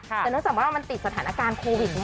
แต่เนื่องจากว่ามันติดสถานการณ์โควิดไง